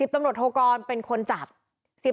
ตำรวจโทกรเป็นคนจับ